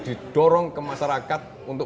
didorong ke masyarakat untuk